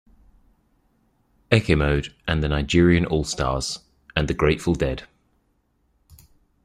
Ekemode and the Nigerian Allstars, and The Grateful Dead.